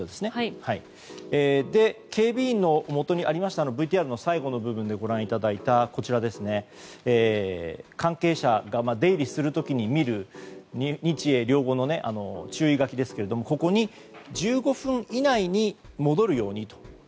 警備員のもとにありましたＶＴＲの最後の部分でご覧いただいた関係者が出入りする時に見る注意書きですけれどもここに１５分以内に戻るようにと。